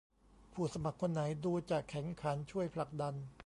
ผู้สมัครคนไหนดูจะแข็งขันช่วยผลักดัน